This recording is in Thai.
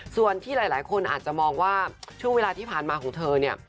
ส่วนที่หลายคนอาจจะมองว่าช่วงเวลาที่ผ่านมาของเธอเนี่ย